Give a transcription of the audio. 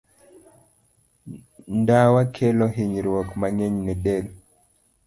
Ndawa kelo hinyruok mang'eny ne del.